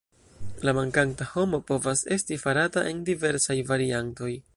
La "mankanta homo" povas esti farata en diversaj variantoj.